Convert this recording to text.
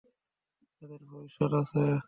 তাদের ভবিষ্যৎ আছে।